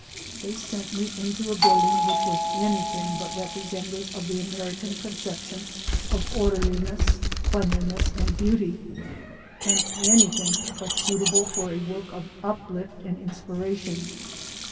They sent me into a building which was anything but representative of the American con ception of orderliness, cleanliness and beauty; and anything but suitable for a work of uplift and in spiration.